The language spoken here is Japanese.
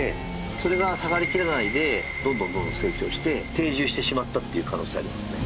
それが下がりきらないでどんどんどんどん成長して定住してしまったっていう可能性ありますね。